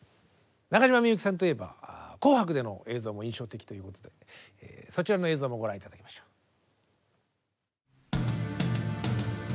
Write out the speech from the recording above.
中島みゆきさんといえば「紅白」での映像も印象的ということでそちらの映像もご覧頂きましょう。